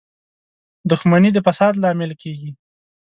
• دښمني د فساد لامل کېږي.